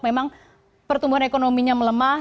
memang pertumbuhan ekonominya melemah